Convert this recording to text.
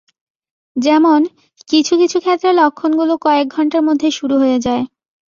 যেমন, কিছু কিছু ক্ষেত্রে লক্ষণগুলো কয়েক ঘণ্টার মধ্যে শুরু হয়ে যায়।